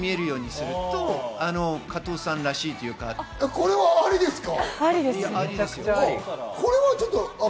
これはありですか？